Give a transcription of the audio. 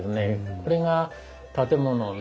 これが建物をね